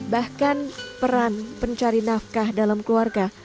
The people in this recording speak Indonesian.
bahkan peran pencari nafkah dalam keluarga